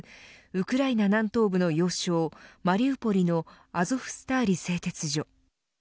ウクライナ南東部の要衝マリウポリのアゾフスターリ製鉄所。